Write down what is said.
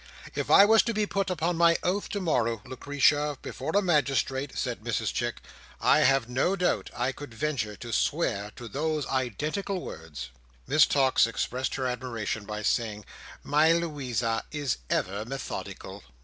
If I was to be put upon my oath to morrow, Lucretia, before a magistrate," said Mrs Chick, "I have no doubt I could venture to swear to those identical words." Miss Tox expressed her admiration by saying, "My Louisa is ever methodical!"